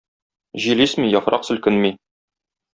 Җил исми, яфрaк сeлкeнми.